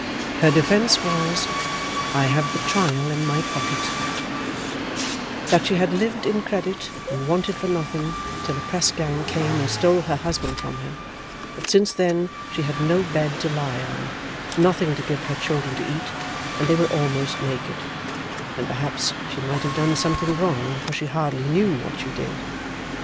Her defence was (I have the trial in my pocket), "that she had lived in credit, and wanted for nothing, till a press gang came and stole her husband from her; but since then, she had no bed to lie on; nothing to give her children to eat; and they were almost naked; and perhaps she might have done something wrong, for she hardly knew what she did."